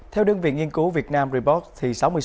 theo đơn vị nghiên cứu vietnam report